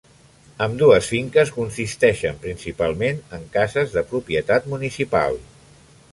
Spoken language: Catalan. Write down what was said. Ambdues finques consisteixen principalment en cases de propietat municipal.